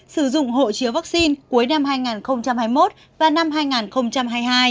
sử dụng hộ chiếu vaccine cuối năm hai nghìn hai mươi một và năm hai nghìn hai mươi hai